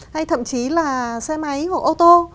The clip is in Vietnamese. hay thậm chí là xe máy hoặc ô tô